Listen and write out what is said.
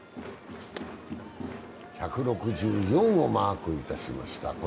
１６４をマークいたしました。